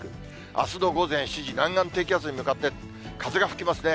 あすの午前７時、南岸低気圧に向かって風が吹きますね。